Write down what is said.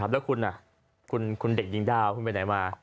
แล้วคุณคุณเด็กยิงดาวไปไหนมา